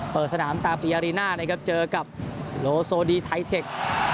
เปิดสนามตาฟิยารีน่านะครับเจอกับโลโซดีไทเทค